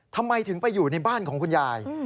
ทำไมถึงไปอยู่ในบ้านของคุณยาย